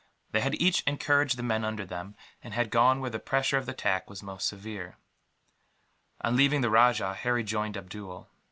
They had each encouraged the men under them, and had gone where the pressure of the attack was most severe. On leaving the rajah, Harry joined Abdool.